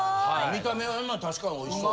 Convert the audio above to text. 見た目は確かに美味しそう。